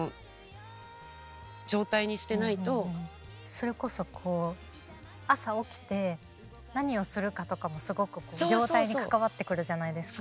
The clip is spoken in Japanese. それこそこう朝起きて何をするかとかもすごく状態に関わってくるじゃないですか。